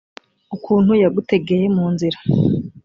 ukuntu yagutegeye mu nzira